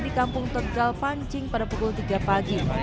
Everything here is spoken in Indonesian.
di kampung tegal pancing pada pukul tiga pagi